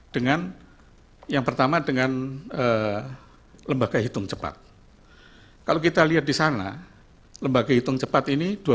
dengan yang pertama dengan lembaga hitung cepat kalau kita lihat di sana lembaga hitung cepat ini